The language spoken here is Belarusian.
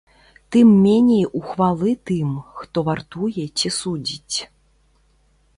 Тым меней ухвалы тым, хто вартуе ці судзіць.